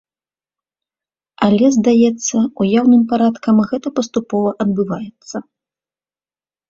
Але, здаецца, уяўным парадкам гэта паступова адбываецца.